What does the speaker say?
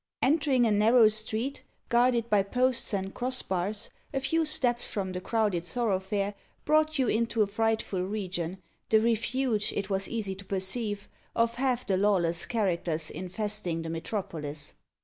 Entering a narrow street, guarded by posts and cross bars, a few steps from the crowded thoroughfare brought you into a frightful region, the refuge, it was easy to perceive, of half the lawless characters infesting the metropolis.